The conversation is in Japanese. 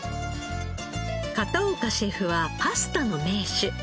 片岡シェフはパスタの名手。